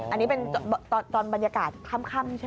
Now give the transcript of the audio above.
อันนี้เป็นตอนบรรยากาศค่ำใช่ไหม